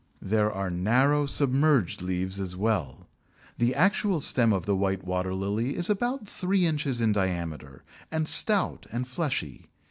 There are narrow submerged leaves as well. The actual stem of the White Water lily is about three inches in diameter, and stout and fleshy.